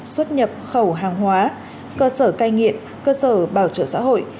xuất nhập khẩu hàng hóa cơ sở cai nghiện cơ sở bảo trợ xã hội